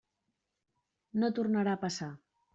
No tornarà a passar.